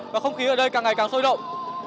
và không khí ở đây càng ngày càng sôi động